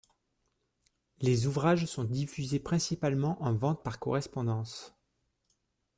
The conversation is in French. Les ouvrages sont diffusés principalement en Vente par correspondance.